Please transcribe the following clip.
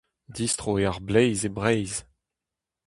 Distro eo ar bleiz e Breizh.